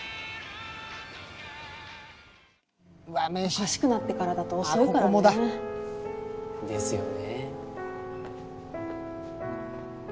おかしくなってからだと遅いからね。ですよね。